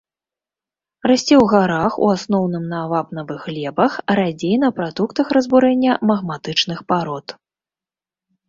Расце ў гарах, у асноўным на вапнавых глебах, радзей на прадуктах разбурэння магматычных парод.